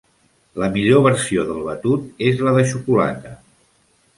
La millor versió del batut és la de xocolata.